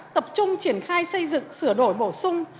hợp chung triển khai xây dựng sửa đổi bổ sung